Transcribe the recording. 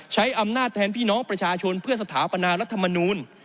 ใช้อำนาจแทนพี่น้องประชาชนเพื่อสถาปนารัฐมนูล